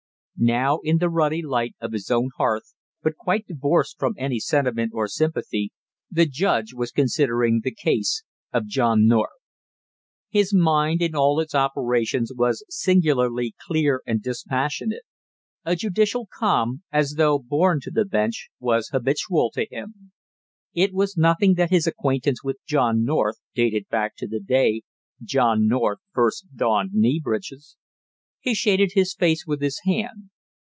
Now in the ruddy light of his own hearth, but quite divorced from any sentiment or sympathy, the judge was considering the case of John North. His mind in all its operations was singularly clear and dispassionate; a judicial calm, as though born to the bench, was habitual to him. It was nothing that his acquaintance with John North dated back to the day John North first donned knee breeches. He shaded his face with his hand.